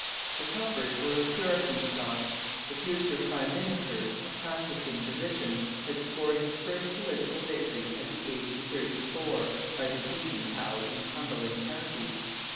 The Tuppers were of Puritan stock. The future prime minister, a practising physician, had scored his first political victory at the age of thirty four by defeating Howe in Cumberland county.